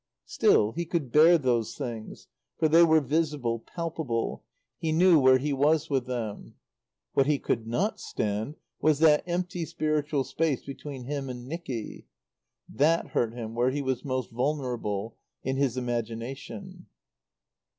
Still, he could bear these things, for they were visible, palpable; he knew where he was with them. What he could not stand was that empty spiritual space between him and Nicky. That hurt him where he was most vulnerable in his imagination.